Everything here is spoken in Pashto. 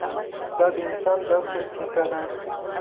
دا د انسان د اصل کیسه ده.